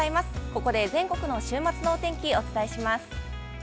ここで全国の週末のお天気をお伝えします。